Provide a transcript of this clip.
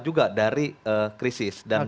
juga dari krisis